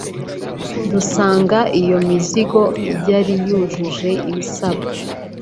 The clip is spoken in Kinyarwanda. dusanga iyo mizigo yari yujuje ibisabwa